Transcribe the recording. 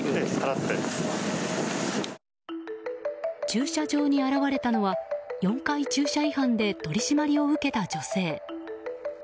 駐車場に現れたのは４回、駐車違反で取り締まりを受けた女性。